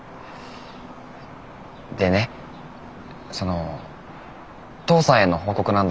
でねその父さんへの報告なんだけど。